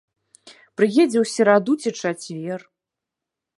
Прыедзе ў сераду ці чацвер.